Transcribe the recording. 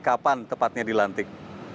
kapan tepatnya dilantik